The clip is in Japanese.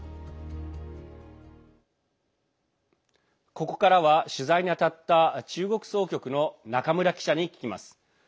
ここからは、取材に当たった中国総局の中村記者に聞きます。